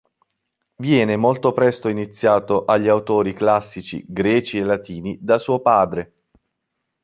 Viene molto presto iniziato agli autori classici greci e latini da suo padre.